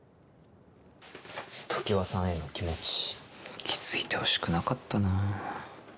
常葉さんへの気持ち気付いてほしくなかったなぁ。